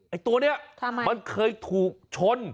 ไอ้ตัวนี้มันเคยถูกชน